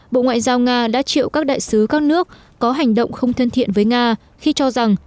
bộ ngoại giao nga đã triệu các đại sứ các nước có hành động không thân thiện với nga khi cho rằng